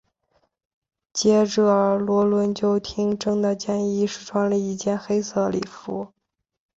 接着萝伦就听珍的建议试穿了一件黑色礼服。